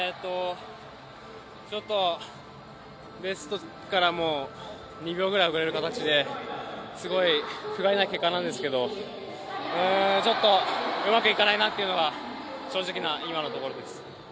ちょっとベストからも２秒ぐらい遅れる形ですごいふがいない結果なんですけど、ちょっとうまくいかないなというのは正直な今のところです。